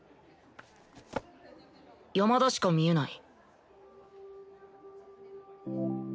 山田しか見えない。